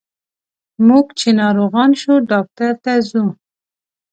موږ چې ناروغان شو ډاکټر ته ځو.